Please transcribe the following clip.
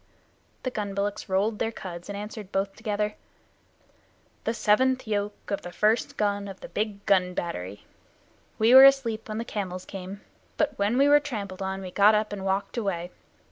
The gun bullocks rolled their cuds, and answered both together: "The seventh yoke of the first gun of the Big Gun Battery. We were asleep when the camels came, but when we were trampled on we got up and walked away.